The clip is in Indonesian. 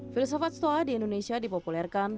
filsafat stoa di indonesia dipopulerkan